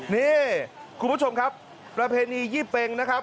นี่คุณผู้ชมครับประเพณียี่เป็งนะครับ